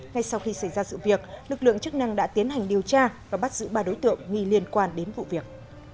ngay sau khi xảy ra sự việc lực lượng chức năng đã tiến hành điều tra và bắt giữ ba đối tượng nghi liên quan đến vụ việc